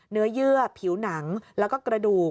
เนื้อเยือบผิวหนังแล้วก็กระดูก